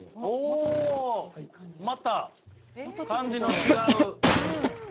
おお！また感じの違う。